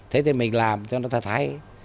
thế thì mình làm cho nó thật hay